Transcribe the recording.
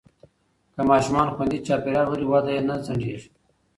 که ماشومان خوندي چاپېریال ولري، وده یې نه ځنډېږي.